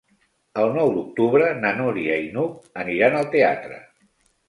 El nou d'octubre na Núria i n'Hug aniran al teatre.